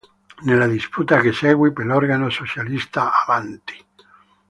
Nella disputa che seguì per l'organo socialista "Avanti!